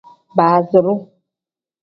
Baaziru.